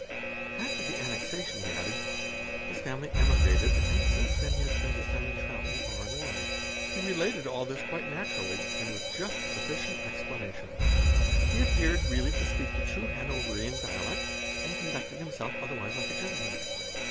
After the annexation, he added, his family emigrated and since then he had spent his time in travelling far and wide. He related all this quite naturally and with just sufficient explanation; he appeared really to speak the true Hanoverian dialect, and conducted himself other wise like a gentleman.